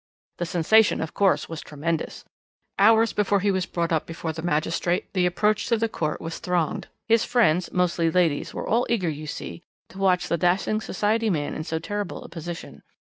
"The sensation, of course, was tremendous. Hours before he was brought up before the magistrate the approach to the court was thronged. His friends, mostly ladies, were all eager, you see, to watch the dashing society man in so terrible a position.